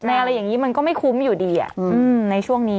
อะไรอย่างนี้มันก็ไม่คุ้มอยู่ดีในช่วงนี้